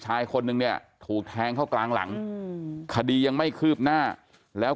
ชายคนนึงเนี่ยถูกแทงเข้ากลางหลังคดียังไม่คืบหน้าแล้ว